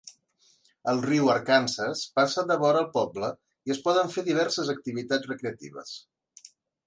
El riu Arkansas passa devora el poble i es poden fer diverses activitats recreatives.